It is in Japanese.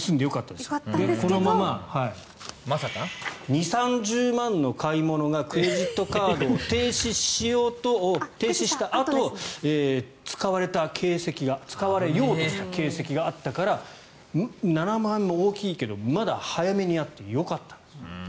で、このまま２０３０万の買い物がクレジットカードを停止したあと使われようとした形跡があったから７万も大きいけどまだ早めにやってよかったです。